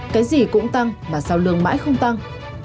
cái gì cũng tăng mà sau lương mãi không tăng